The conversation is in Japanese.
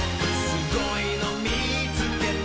「すごいのみつけた」